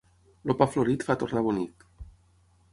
El pa florit fa tornar bonic.